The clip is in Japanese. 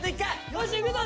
よしいくぞ！